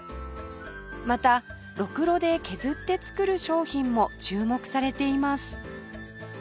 またろくろで削って作る商品も注目されています